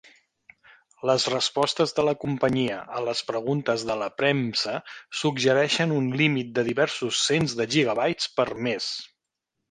Les respostes de la companyia a las preguntes de la premsa suggereixen un límit de diversos cents de gigabytes per mes.